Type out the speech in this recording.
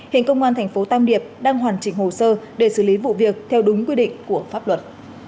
hình công an tp tam hiệp đang hoàn chỉnh hồ sơ để xử lý vụ việc theo đúng quy định của pháp luật